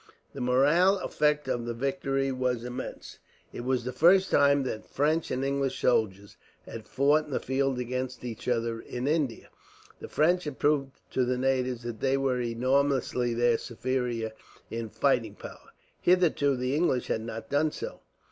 The moral effect of the victory was immense. It was the first time that French and English soldiers had fought in the field against each other, in India. The French had proved to the natives that they were enormously their superiors in fighting power. Hitherto the English had not done so.